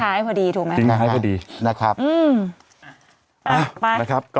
ให้พอดีถูกไหมถึงให้พอดีนะครับอืมไปนะครับก็